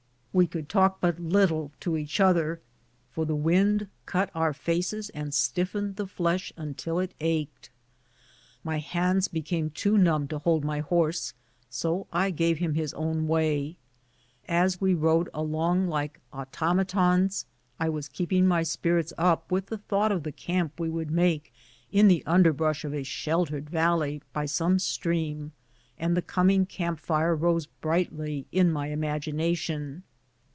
We could talk but little to each other, for the wind cut our faces and stiffened the flesh until it ached. My hands became too numb to hold my horse, so I gave him his own way. As we rode along like automatons, I was keeping my spirits up with the thought of the camp we would make in the underbrush of a sheltered valley by some stream^ and the coming camp fire rose CAVALRY OX TUE MARCU. 47 brightly ia my imagination.